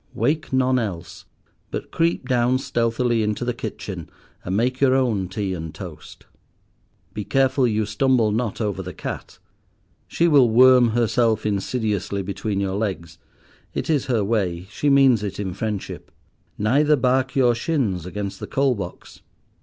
Wake none else, but creep down stealthily into the kitchen, and make your own tea and toast. Be careful you stumble not over the cat. She will worm herself insidiously between your legs. It is her way; she means it in friendship. Neither bark your shins against the coal box.